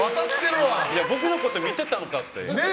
僕のこと見てたのかなって。